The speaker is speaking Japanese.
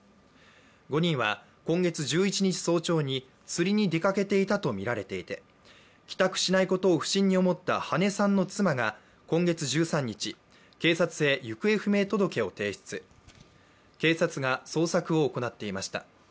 ５人は今月１１日早朝に釣りに出かけていたとみられていて帰宅しないことを不審に思った羽根さんの妻が今月１３日警察へ行方不明届を提出、警察が捜索を行っていました。